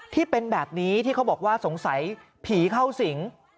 ที่เป็นแบบนี้ที่เขาบอกว่าสงสัยผีเข้าสิง